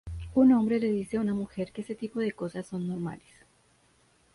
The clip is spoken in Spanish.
Un hombre le dice a una mujer que ese tipo de cosas son normales.